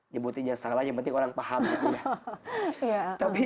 nyebutin yang salah yang penting orang paham gitu ya